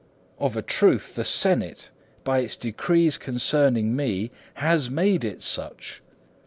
Of a truth the senate, by its decrees concerning me, has made it such!